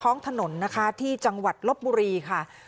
ท้องถนนนะคะที่จังหวัดลบบุรีค่ะ